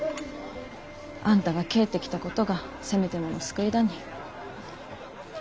あんたが帰ってきたことがせめてもの救いだに。